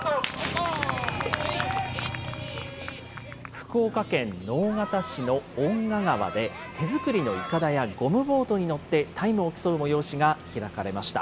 福岡県直方市の遠賀川で、手作りのいかだやゴムボートに乗って、タイムを競う催しが開かれました。